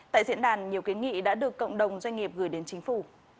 tại diễn đàn nhiều kiến nghị đã được cộng đồng doanh nghiệp gửi đến chính phủ